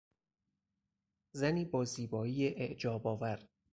زنی با زیبایی اعجابآور